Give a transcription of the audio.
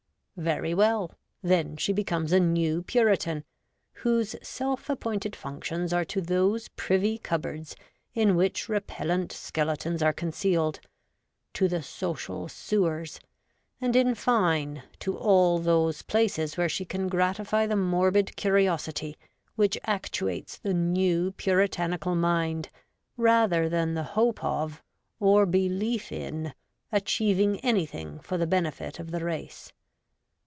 Very well : then she becomes a New Puritan, whose self appointed functions are to those privy cupboards in which repellent skeletons are concealed ; to the social sewers ; and, in fine, to all those places where she can gratify the morbid curiosity which actuates the New Puritanical mind, rather than the hope of, or belief in, achieving anything for the benefit of the race.